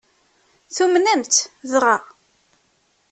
Tumnem-tt dɣa?